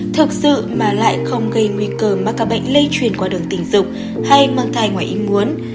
thực sự mà lại không gây nguy cơ mà các bệnh lây truyền qua đường tình dục hay mang thai ngoài yên muốn